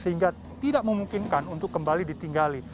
sehingga tidak memungkinkan untuk kembali ditinggali